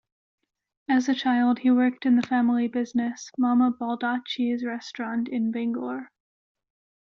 As a child, he worked in the family business, Mama Baldacci's restaurant in Bangor.